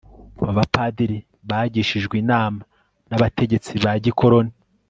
abapadiri bagishijwe inama n'abategetsi ba gikoloni